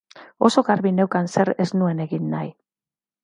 Oso garbi neukan zer ez nuen egin nahi.